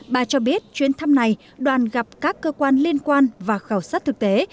bà cho biết chuyến thăm này đoàn gặp các cơ quan liên quan và khảo sát thực tế